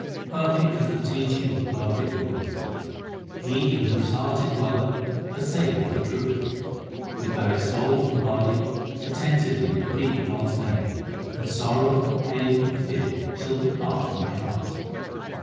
Perfect is the teaching of the perfect Guru ; He in whose heart it dwelleth assay eth the truth. With thy soul and body attentively repeat God s name, And sorrow, pain, and fear shall depart from thy heart.